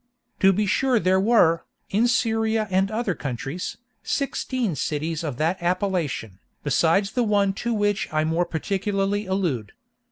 To be sure there were, in Syria and other countries, sixteen cities of that appellation, besides the one to which I more particularly allude.